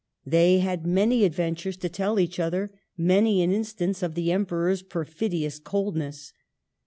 They had many adventures to tell each other, many an instance of the Emperor's perfidious coldness.